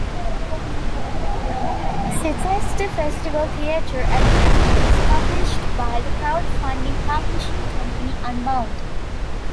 "Chichester Festival Theatre at Fifty" is published by the crowd-funding publishing company Unbound.